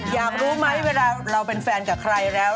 อยากรู้ไหมเวลาเราเป็นแฟนกับใครแล้ว